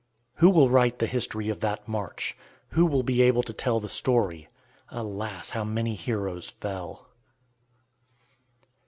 Who will write the history of that march? Who will be able to tell the story? Alas! how many heroes fell!